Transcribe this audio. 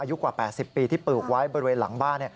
อายุกว่า๘๐ปีที่ปลูกไว้บริเวณหลังบ้าน